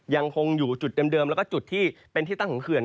ยังคงอยู่จุดเดิมแล้วก็จุดที่เป็นที่ตั้งของเขื่อน